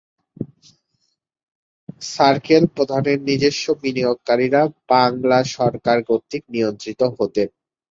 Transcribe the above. Circle প্রধানের নিজস্ব বিনিয়োগকারীরা বাংলা সরকার কর্তৃক নিয়ন্ত্রিত হতেন।